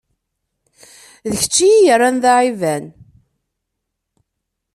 D kečč i yi-yerran d aɛiban.